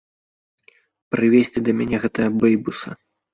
Прывесці да мяне гэтага бэйбуса!